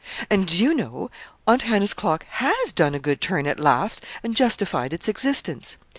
"And, do you know? Aunt Hannah's clock has done a good turn, at last, and justified its existence.